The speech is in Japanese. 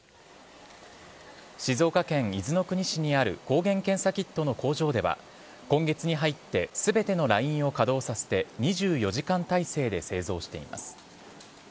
静岡県伊豆の国市にある抗原検査キットの工場では、今月に入って、すべてのラインを稼働させて、２４時間体制で製造しています。